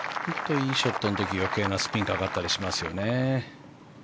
いいショットの時余計なスピンがかかったりしますよね。